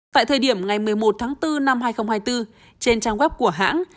tại thời điểm ngày một mươi một tháng bốn năm hai nghìn hai mươi bốn trên trang web của hãng